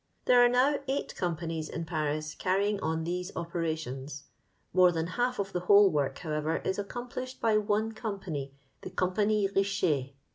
There are now eight companies in Paris carrying on these operations. More than half of the whole work, however, is accomplished by one com pany, the " Compagnie Richer.'